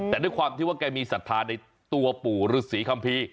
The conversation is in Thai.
แต่ด้วยความที่ว่าแกมีศรัทธาในตัวปู่ฤษีคัมภีร์